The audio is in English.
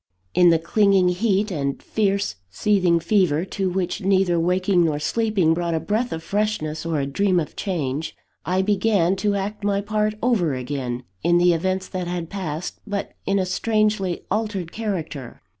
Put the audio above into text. In the clinging heat and fierce seething fever, to which neither waking nor sleeping brought a breath of freshness or a dream of change, I began to act my part over again, in the events that had passed, but in a strangely altered character.